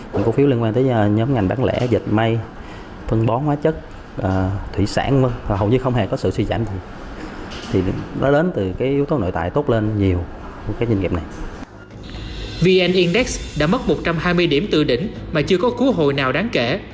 vn index đã mất một trăm hai mươi điểm tự đỉnh mà chưa có cứu hồi nào đáng kể